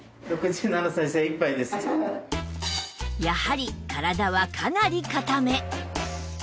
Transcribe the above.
やはり体はかなり硬め